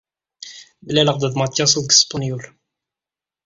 Mlaleɣ-d ed Mattias deg Spenyul.